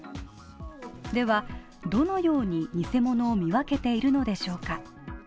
では、どのように偽物を見分けているのでしょうか？